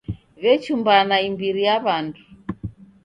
W'echumbana imbiri ya w'andu.